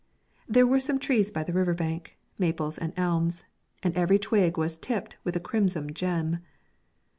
There were some trees by the river bank, maples and elms, and every twig was tipped with a crimson gem.